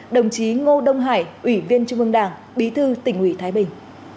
đồng chí ngô đông hải ủy viên trung ương đảng bí thư tỉnh ủy thái bình